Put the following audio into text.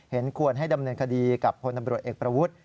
ควรให้ดำเนินคดีกับพลตำรวจเอกประวุฒิ